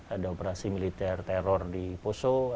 ada operasi militer teror di kepala tni